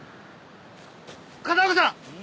片岡さん！